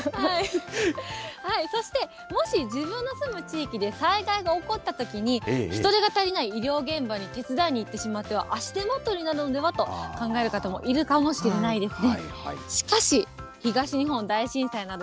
そしてもし自分の住む地域で災害が起こったときに、人手が足りない医療現場に手伝いに行っては、足手まといになるのではと考える方もいるかもしれないですね。